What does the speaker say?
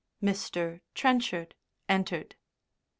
Mr. Trenchard entered.